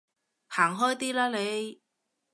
行開啲啦你